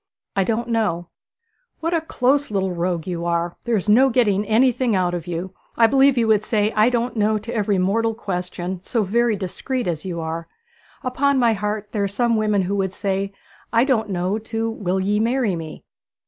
'I don't know.' 'What a close little rogue you are! There is no getting anything out of you. I believe you would say "I don't know," to every mortal question, so very discreet as you are. Upon my heart, there are some women who would say "I don't know," to "Will ye marry me?"'